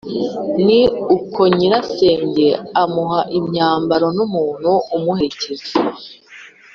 Ni uko nyirasenge amuha imyambaro n' umuntu umuherekeza,